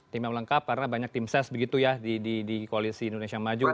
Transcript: tim yang lengkap karena banyak tim ses begitu ya di koalisi indonesia maju